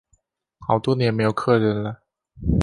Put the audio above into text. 好多年没有客人了